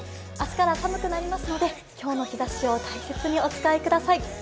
明日から寒くなりますので、今日の日ざしを大切にお使いください。